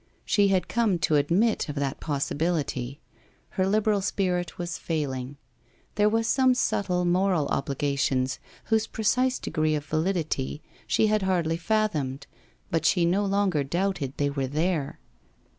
She had come to admit of that possibility. Her liberal spirit was failing. There were some subtle moral obligations whose precise degree of validity she had hardly fathomed, but she no longer doubted they were there.